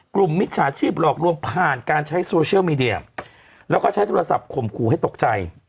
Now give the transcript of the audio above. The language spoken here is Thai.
มิจฉาชีพหลอกลวงผ่านการใช้โซเชียลมีเดียแล้วก็ใช้โทรศัพท์ข่มขู่ให้ตกใจ